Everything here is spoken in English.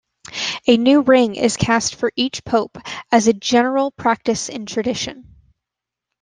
A new ring is cast for each Pope as a general practice in tradition.